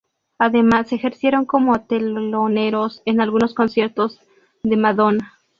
Además ejercieron como teloneros en algunos conciertos de Madonna.